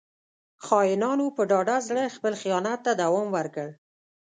• خاینانو په ډاډه زړه خپل خیانت ته دوام ورکړ.